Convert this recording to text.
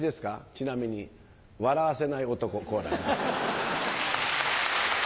ちなみに笑わせない男好楽です。